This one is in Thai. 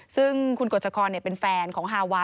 ซึ่งคุณกฎชกรเป็นแฟนของฮาวา